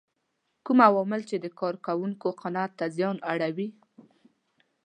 کوم عوامل چې د کار کوونکو قناعت ته زیان اړوي.